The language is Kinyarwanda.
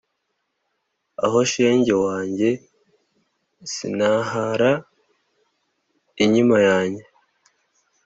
‘aho shenge wanjye sinahara inkima yanjye